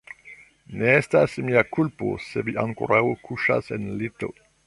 Ne estas mia kulpo, se vi ankoraŭ kuŝas en lito.